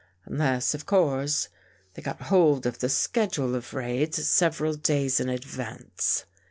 Unless, of course, they got hold of the schedule of raids sev eral days in advance."